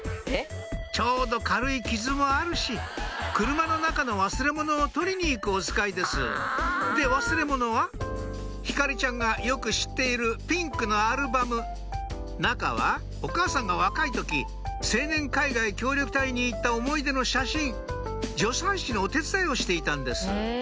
ちょうど軽い傷もあるし車の中の忘れ物を取りに行くおつかいですで忘れ物はひかりちゃんがよく知っているピンクのアルバム中はお母さんが若い時青年海外協力隊に行った思い出の写真助産師のお手伝いをしていたんです